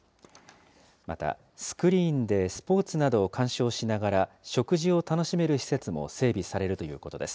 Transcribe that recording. また、スクリーンでスポーツなどを観賞しながら食事を楽しめる施設も整備されるということです。